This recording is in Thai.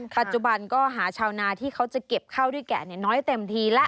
ปัจจุบันก็หาชาวนาที่เขาจะเก็บข้าวด้วยแกะน้อยเต็มทีแล้ว